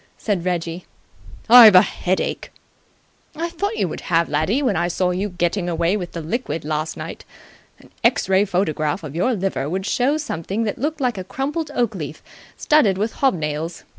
said Reggie. "I've a headache." "I thought you would have, laddie, when I saw you getting away with the liquid last night. An X ray photograph of your liver would show something that looked like a crumpled oak leaf studded with hob nails.